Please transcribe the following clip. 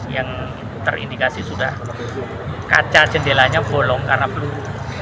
karena ada indikasi sudah kaca jendelanya bolong karena peluru